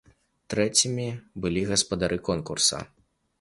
Трэцімі былі гаспадары конкурса.